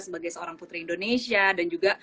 sebagai seorang putri indonesia dan juga